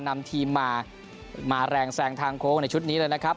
นำทีมมามาแรงแซงทางโค้งในชุดนี้เลยนะครับ